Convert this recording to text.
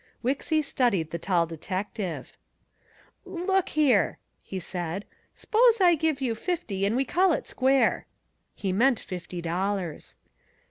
Wixy studied the tall detective. "Look here," he said. "S'pose I give you fifty and we call it square." He meant fifty dollars.